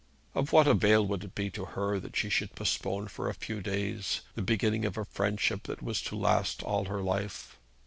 Of what avail would it be to her that she should postpone for a few days the beginning of a friendship that was to last all her life?